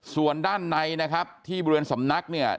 ส่วนด้านในนะครับที่บริเวณสำนักเนี่ย